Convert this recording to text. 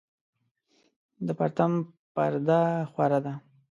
د پرتم پرده خوره ده